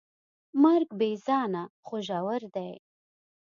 مرګ بېځانه خو ژور دی.